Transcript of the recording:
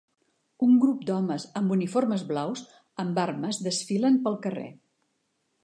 Un grup d'homes amb uniformes blaus amb armes desfilen pel carrer.